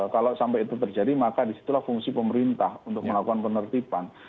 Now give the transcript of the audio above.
kalau sampai itu terjadi maka disitulah fungsi pemerintah untuk melakukan penertiban